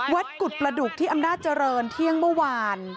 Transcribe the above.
กุฎประดุกที่อำนาจเจริญเที่ยงเมื่อวาน